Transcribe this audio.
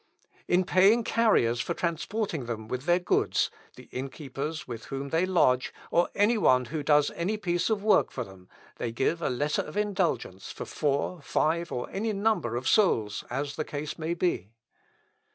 "In paying carriers for transporting them with their goods, the innkeepers with whom they lodge, or any one who does any piece of work for them, they give a letter of indulgence for four, five, or any number of souls, as the case may be."